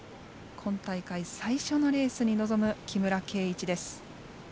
今大会最初のレースに臨む木村敬一です。